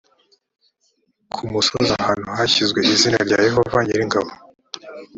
ku musozi ahantu hashyizwe izina rya yehova nyir’ingabo